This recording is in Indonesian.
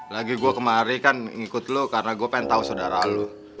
lagi gua kemari kan ngikut lu karena gua pengen tau saudara lu